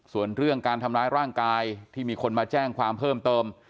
ส่วนเรื่องการทำร้ายร่างกายที่มีคนมาแจ้งความเพิ่มเติม